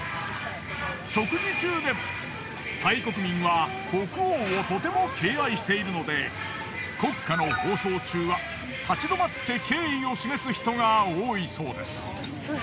食事中でもタイ国民は国王をとても敬愛しているので国歌の放送中は立ち止まって敬意を示す人が多いそうです。